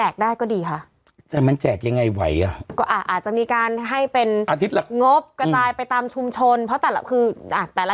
เขาบอกจะเป็นเน็ตไอดอลอยู่แล้ว